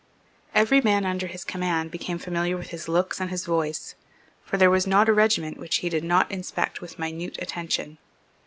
Every man under his command became familiar with his looks and with his voice; for there was not a regiment which he did not inspect with minute attention.